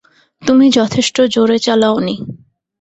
তুমি যথেষ্ট জোরে চালাওনি।